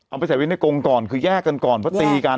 เอาไปใส่ไว้ในกรงก่อนคือแยกกันก่อนเพราะตีกัน